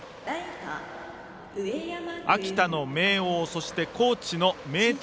秋田の明桜、そして高知の明徳